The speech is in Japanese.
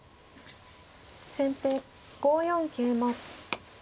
先手５四桂馬。